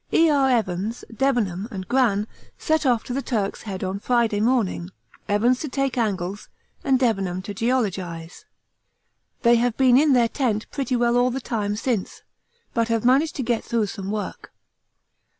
E.R. Evans, Debenham, and Gran set off to the Turk's Head on Friday morning, Evans to take angles and Debenham to geologise; they have been in their tent pretty well all the time since, but have managed to get through some work.